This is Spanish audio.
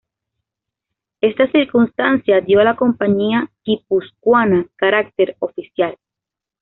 Esta circunstancia dio a la Compañía Guipuzcoana carácter oficial.